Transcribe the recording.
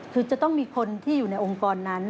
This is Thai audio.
คือจะต้องมีคนที่อยู่ในองค์กรนั้น